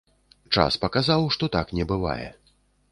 Час паказаў, што так не бывае.